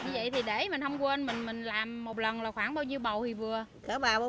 vậy thì để mình không quên mình làm một lần là khoảng bao nhiêu bầu thì vừa